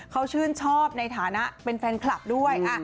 เขาชื่นชอบในฐานะเป็นแฟนคลับด้วย